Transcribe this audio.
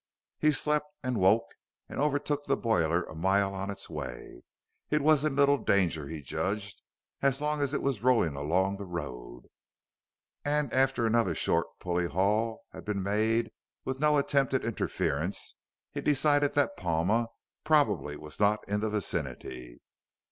He slept and woke and overtook the boiler a mile on its way. It was in little danger, he judged, as long as it was rolling along the road. And after another short pulley haul had been made with no attempt at interference, he decided that Palma probably was not in the vicinity.